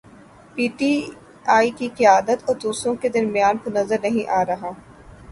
P T I کی قیادت اور دوسروں کے درمیان وہ نظر نہیں آ رہا۔